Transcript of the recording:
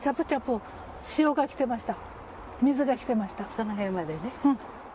その辺までね。